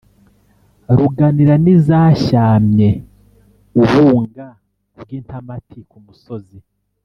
Ruganira n’ izashyamye ubunga rw’ intamati ku musozi,